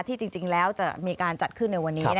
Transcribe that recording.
จริงแล้วจะมีการจัดขึ้นในวันนี้